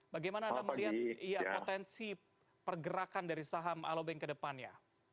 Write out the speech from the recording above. bagaimana anda melihat potensi pergerakan dari saham alobank ke depannya